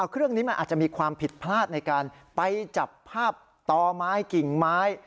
เครื่องนี้มันอาจจะมีความผิดพลาดในการไปจับภาพต่อไม้กิ่งไม้